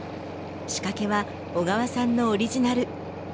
仕掛けは小川さんのオリジナル。